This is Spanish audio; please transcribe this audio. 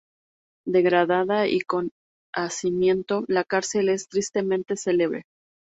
Degradada y con hacinamiento, la cárcel es tristemente celebre.